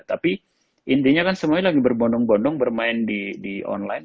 tapi intinya kan semuanya lagi berbondong bondong bermain di online